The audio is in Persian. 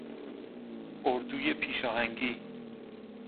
اردوی پیشاهنگی